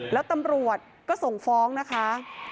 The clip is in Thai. แล้วตำรวจก็ส่งฟ้องนะคะ